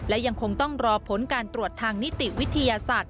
และยังคงต้องรอผลการตรวจทางนิติวิทยาศาสตร์